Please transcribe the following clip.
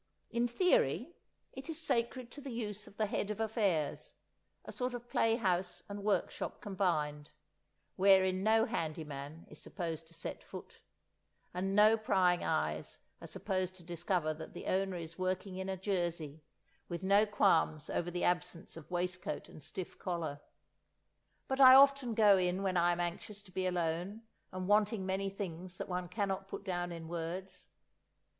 In theory, it is sacred to the use of the Head of Affairs, a sort of play house and workshop combined, wherein no handy man is supposed to set foot, and no prying eyes are supposed to discover that the owner is working in a jersey, with no qualms over the absence of waistcoat and stiff collar. But I often go in when I am anxious to be alone and wanting many things that one cannot put down in words.